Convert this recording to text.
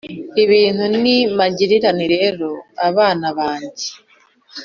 ibintu ni magirirane rero bana bange